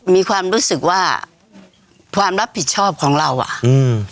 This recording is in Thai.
มีความรู้สึกว่าความรับผิดชอบของเราอ่ะอืม